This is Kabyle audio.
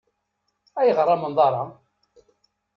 Ayɣer amenḍar-a?